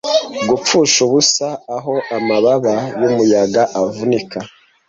Gupfusha ubusa aho amababa yumuyaga avunika,